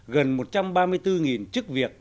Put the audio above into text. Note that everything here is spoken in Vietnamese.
gần một trăm ba mươi bốn chức việc